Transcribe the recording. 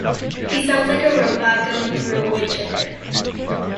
He sounds like a robot going through a wood chipper